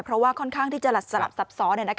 เพราะว่าค่อนข้างที่จะสลับซับซ้อน